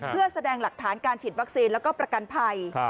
เพื่อแสดงหลักฐานการฉีดวัคซีนแล้วก็ประกันภัย